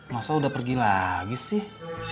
masa udah pergi lagi sih